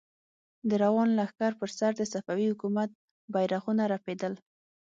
د روان لښکر پر سر د صفوي حکومت بيرغونه رپېدل.